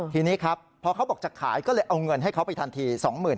ทีนี้ครับพอเขาบอกจะขายก็เลยเอาเงินให้เขาไปทันที